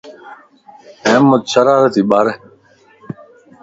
احمد شرارتي ٻار ائي